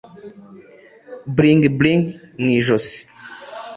Bring bring mu ijosi